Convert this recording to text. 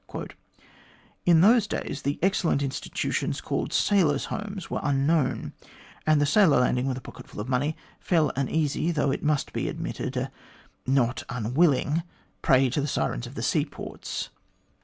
"In those days, the excellent institutions called Sailors' Homes were unknown, and the sailor landing with a pocket full of money fell an easy, though it .must be admitted, a not un willing prey to the sirens of the sea ports.